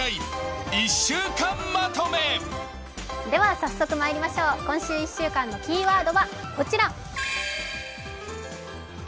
では早速いきましょう、今週１週間のキーワードはこちら。